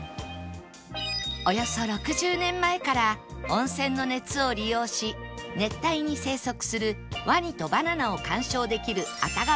およそ６０年前から温泉の熱を利用し熱帯に生息するワニとバナナを観賞できる